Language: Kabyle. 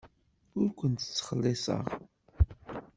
Ur kent-ttxelliṣeɣ.